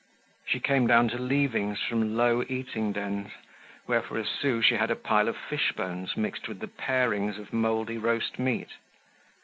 She came down to leavings from low eating dens, where for a sou she had a pile of fish bones, mixed with the parings of moldy roast meat.